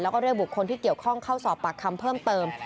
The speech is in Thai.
แล้วก็เรียกบุคคลที่เกี่ยวข้องเข้าสอบปากคำเพิ่มเติม